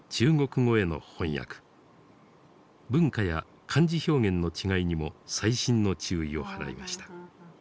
文化や漢字表現の違いにも細心の注意を払いました。